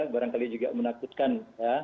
barangkali juga menakutkan ya